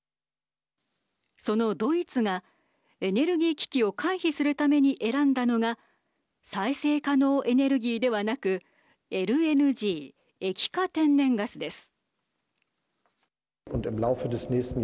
そのドイツがエネルギー危機を回避するために選んだのが再生可能エネルギーではなくＬＮＧ＝液化天然ガスです。